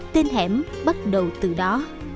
tên hẻm bắt đầu từ đó